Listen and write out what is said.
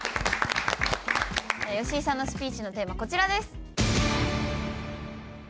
好井さんのスピーチのテーマはこちらです。